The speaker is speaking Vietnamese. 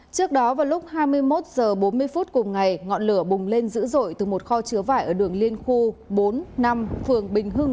trước đó vào lúc hai mươi một h bốn mươi phút cùng ngày ngọn lửa bùng lên dữ dội từ một kho chứa vải ở đường liên khu bốn năm phường bình hưng